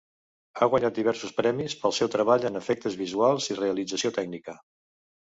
Ha guanyat diversos premis pel seu treball en efectes visuals i realització tècnica.